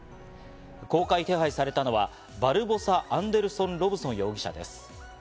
公開手配されたのはバルボサ・アンデルソン・ロブソン容疑者です。